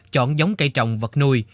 chọn giống cây trồng vật nuôi